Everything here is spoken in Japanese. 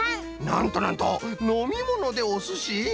なんとなんと！のみものでおすし？